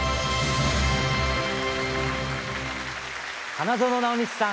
花園直道さん